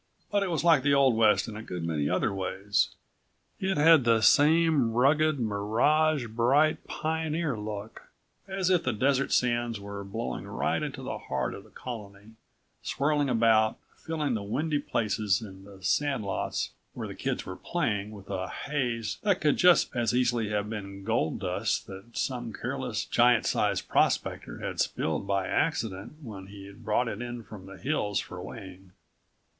But it was like the Old West in a good many other ways. It had the same rugged, mirage bright pioneer look, as if the desert sands were blowing right into the heart of the colony, swirling about, filling the windy places and the sand lots where the kids were playing with a haze that could just as easily have been gold dust that some careless, giant size prospector had spilled by accident when he'd brought it in from the hills for weighing.